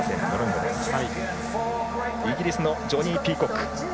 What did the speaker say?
イギリスのジョニー・ピーコック。